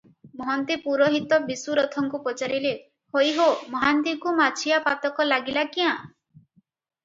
ମହନ୍ତେ ପୁରୋହିତ ବିଶୁ ରଥଙ୍କୁ ପଚାରିଲେ, "ହୋଇ ହୋ, ମହାନ୍ତିଙ୍କୁ ମାଛିଆ ପାତକ ଲାଗିଲା କ୍ୟାଁ?